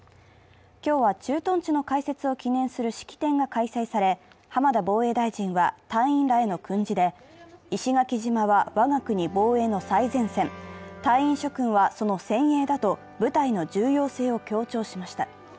今日は駐屯地の開設を記念する式典が開催され、浜田防衛大臣は隊員らへの訓示で石垣島は我が国防衛の最前線、隊員諸君はその先鋭だと部隊の重要性を強調しました。